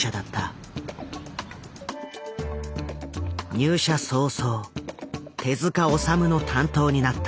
入社早々手治虫の担当になった。